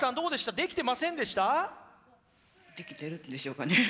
できてるんでしょうかね？